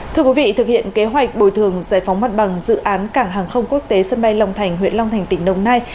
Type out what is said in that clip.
thưa quý vị thực hiện kế hoạch bồi thường giải phóng mặt bằng dự án cảng hàng không quốc tế sân bay long thành huyện long thành tỉnh đồng nai